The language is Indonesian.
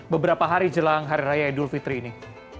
beberapa hari jelang hari raya idul fitri ini